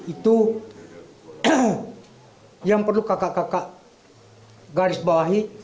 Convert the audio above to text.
itu yang perlu kakak kakak garis bawahi